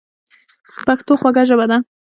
پښتو خوږه ژبه ده